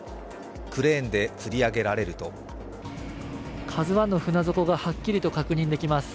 クレーンでつり上げられると「ＫＡＺＵⅠ」の船底がはっきりと確認できます。